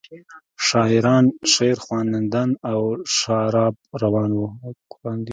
شاعران شعرخواندند او شراب روان شو.